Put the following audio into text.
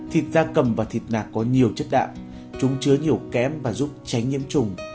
thịt da cầm và thịt nạc có nhiều chất đạm chúng chứa nhiều kém và giúp tránh nhiễm trùng